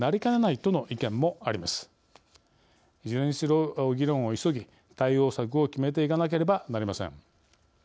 いずれにしろ、議論を急ぎ対応策を決めていかなければなりません。